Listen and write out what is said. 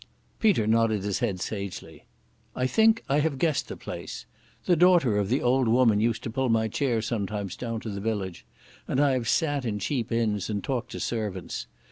Peter nodded his head sagely, "I think I have guessed the place. The daughter of the old woman used to pull my chair sometimes down to the village, and I have sat in cheap inns and talked to servants.